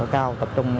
cao tập trung